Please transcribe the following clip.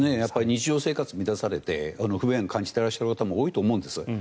日常生活を乱されて不便を感じている方も多いと思うんです。